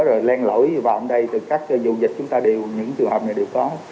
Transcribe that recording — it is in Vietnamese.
rồi len lỗi vào ở đây từ các dụ dịch chúng ta đều những trường hợp này đều có